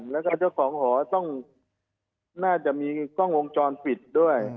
แล้วก็เจ้าของหอต้องน่าจะมีกล้องวงจรปิดด้วย